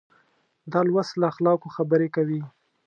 دا لوست له اخلاقو خبرې کوي.